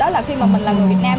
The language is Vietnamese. đó là khi mà mình là người việt nam